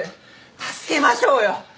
助けましょうよ！